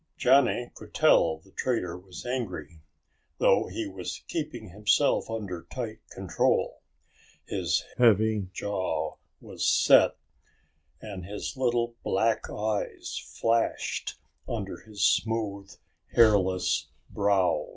Johnny could tell the trader was angry. Though he was keeping himself under tight control, his heavy jaw was set and his little black eyes flashed under his smooth, hairless brow.